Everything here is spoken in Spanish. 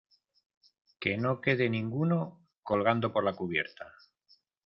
que no quede ninguno colgando por la cubierta.